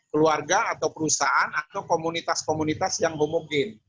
keluarga atau perusahaan atau komunitas komunitas yang homogen